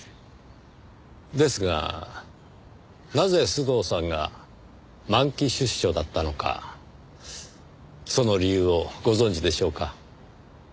ですがなぜ須藤さんが満期出所だったのかその理由をご存じでしょうか？